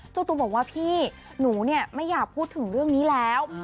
เจ้าตัวบอกว่าพี่หนูเนี่ยไม่อยากพูดถึงเรื่องนี้แล้ว